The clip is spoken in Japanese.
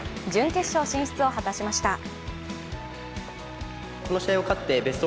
準決勝進出を果たしました。